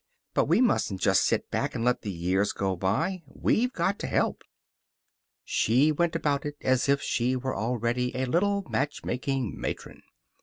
But we mustn't just sit back and let the years go by. We've got to help." She went about it as if she were already a little matchmaking matron.